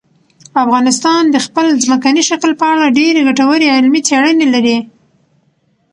افغانستان د خپل ځمکني شکل په اړه ډېرې ګټورې علمي څېړنې لري.